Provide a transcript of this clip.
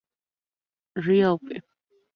Г. Доре.